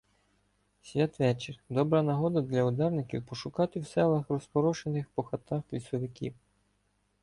Святвечір — добра нагода для ударників пошукати в селах розпорошених по хатах лісовиків.